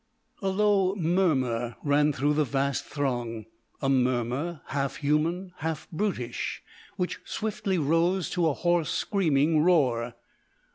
A low murmur ran through the vast throng, a murmur half human, half brutish, which swiftly rose to a hoarse screaming roar.